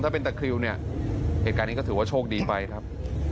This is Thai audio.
ถ้าเป็นตะคริวเนี่ยเหตุการณ์นี้ก็ถือว่าโชคดีไปครับ